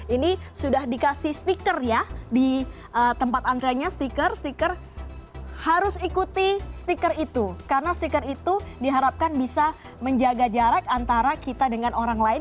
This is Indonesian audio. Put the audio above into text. ini sudah dikasih stiker ya di tempat antrenya stiker stiker harus ikuti stiker itu karena stiker itu diharapkan bisa menjaga jarak antara kita dengan orang lain